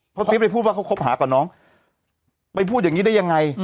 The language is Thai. เพราะพี่ไปพูดว่าเขาคบหากับน้องไปพูดอย่างนี้ได้ยังไง